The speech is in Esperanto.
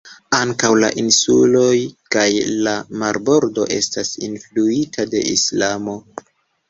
Ankaŭ la insuloj kaj la marbordo estas influita de Islamo.